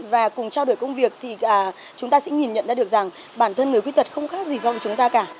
và cùng trao đổi công việc thì chúng ta sẽ nhìn nhận ra được rằng bản thân người khuyết tật không khác gì do chúng ta cả